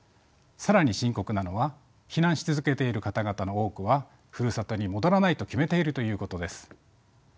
更に深刻なのは避難し続けている方々の多くはふるさとに戻らないと決めているということです。